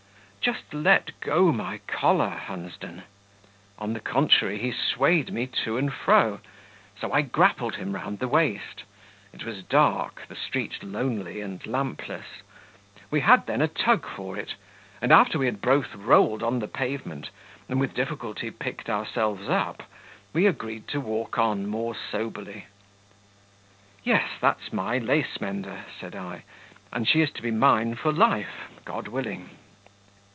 "Just let go my collar, Hunsden." On the contrary, he swayed me to and fro; so I grappled him round the waist. It was dark; the street lonely and lampless. We had then a tug for it; and after we had both rolled on the pavement, and with difficulty picked ourselves up, we agreed to walk on more soberly. "Yes, that's my lace mender," said I; "and she is to be mine for life God willing."